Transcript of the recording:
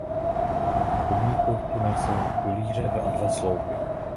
Hudební kruchtu nesou pilíře a dva sloupy.